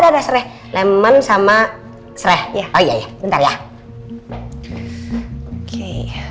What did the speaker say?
lemongrass itu serai oh serai ada ada serai lemon sama serai ya oh ya bentar ya oke